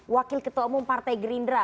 wakil ketua umum partai gerindra